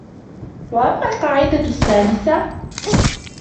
وَأَمَّا الْقَاعِدَةُ السَّادِسَةُ